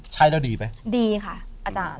ใช้แล้วดีไหมดีค่ะอาจารย์